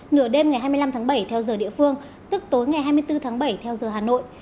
nửa đêm ngày hai mươi năm tháng bảy theo giờ địa phương tức tối ngày hai mươi bốn tháng bảy theo giờ hà nội